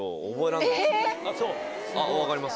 分かります？